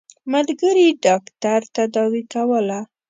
ملګري ډاکټر تداوي کوله.